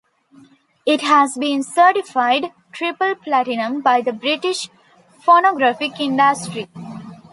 It has been certified triple platinum by the British Phonographic Industry.